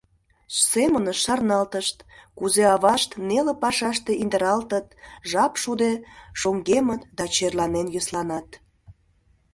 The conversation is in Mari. Семынышт шарналтышт, кузе авашт неле пашаште индыралтыт, жап шуде шоҥгемыт да черланен йӧсланат.